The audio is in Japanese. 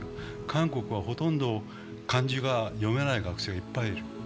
韓国はほとんど漢字が読めない学生がいっぱいいる。